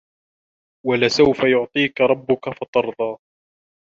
وَلَسَوفَ يُعطيكَ رَبُّكَ فَتَرضى